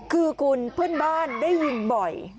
คือคุณเพื่อนบ้านได้ยินบ่อย